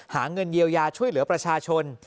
หาเงินเยียวยาช่วยเหลือประชาชน